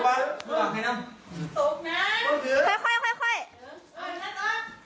อากาศ